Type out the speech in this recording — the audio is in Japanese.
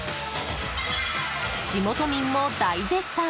地元民も大絶賛